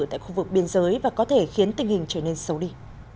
tại khu vực biên giới và có thể khiến tình hình trở nên xấu đi